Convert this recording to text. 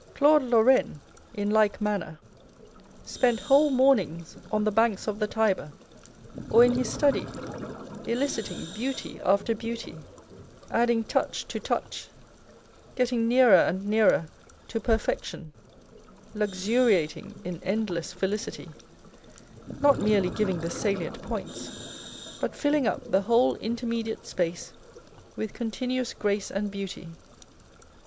Claude Lorraine, in like manner, spent whole mornings on the banks of the Tiber or in his study, eliciting beauty after beauty, adding touch to touch, getting nearer and nearer to perfection, luxuriating in endless felicity â€" not merely giving the salient points, but filling up the whole intermediate space with con tinuous grace and beauty